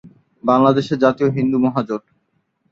বাংলাদেশে জাতীয় হিন্দু মহাজোট।